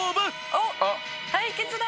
「おっ対決だ」